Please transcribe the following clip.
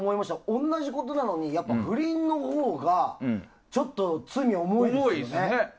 同じことなのに不倫のほうがちょっと罪重いですね。